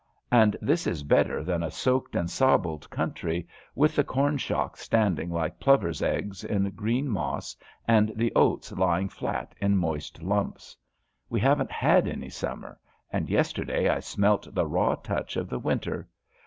And this is better than a soaked and sobbled country, with the corn shocks standing like plover's eggs in green moss and the oats lying flat in moist lumps. We haven't had any summer, and yesterday I smelt the raw touch of the winter.